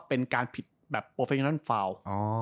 เป็นการผิดแบบโปรเฟนตอนฟาวล์